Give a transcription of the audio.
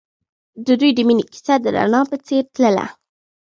د دوی د مینې کیسه د رڼا په څېر تلله.